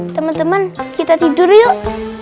teman teman kita tidur yuk